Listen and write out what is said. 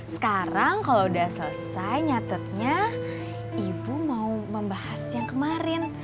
sekarang kalau udah selesai nyatetnya ibu mau membahas yang kemarin